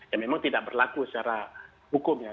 ya memang tidak berlaku secara hukum ya